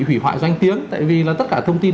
hủy hoại danh tiếng tại vì là tất cả thông tin